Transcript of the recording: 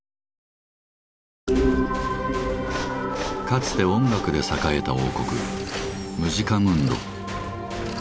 かつて音楽で栄えた王国「ムジカムンド」。